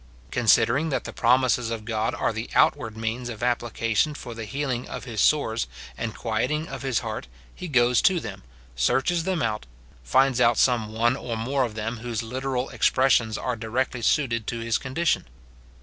Considering that the promises of God are the outward means of application for the healing of his sores and quieting of his heart, he goes to them, searches them out, finds out some one or more of them whose literal expressions are directly suited to his condition.